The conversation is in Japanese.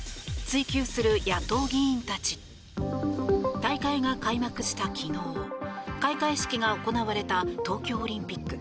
大会が開幕した昨日開会式が行われた東京オリンピック。